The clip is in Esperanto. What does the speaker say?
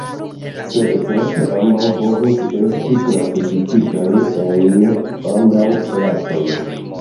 Sed certe ambaŭ povus esti klasifikitaj en ambaŭ klasoj.